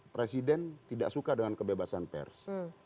presiden tidak suka dengan kebebasan pers